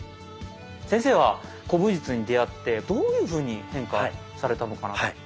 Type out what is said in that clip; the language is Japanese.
先生は古武術に出会ってどういうふうに変化されたのかなと？